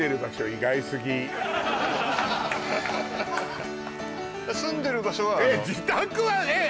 意外すぎ住んでる場所は自宅はえっ！